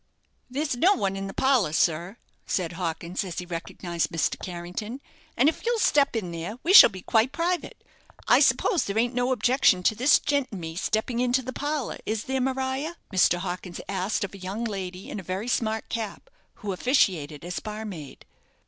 "There's no one in the parlour, sir," said Hawkins, as he recognized Mr. Carrington; "and if you'll step in there, we shall be quite private. I suppose there ain't no objection to this gent and me stepping into the parlour, is there, Mariar?" Mr. Hawkins asked of a young lady, in a very smart cap, who officiated as barmaid.